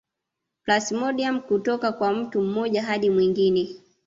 Plasmodiam kutoka kwa mtu mmoja hadi mwingine